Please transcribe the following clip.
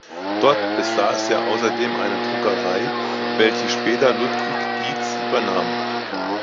Dort besaß er außerdem eine Druckerei, welche später Ludwig Dietz übernahm.